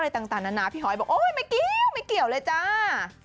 ต่างนานาพี่หอยบอกโอ๊ยไม่เกี่ยวไม่เกี่ยวเลยจ้า